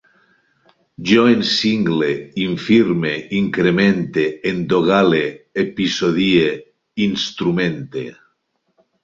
Jo encingle, infirme, incremente, endogale, episodie, instrumente